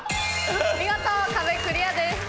見事壁クリアです。